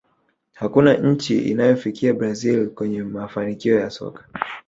hakuna nchi inayofikia brazil kwenye mafanikio ya soka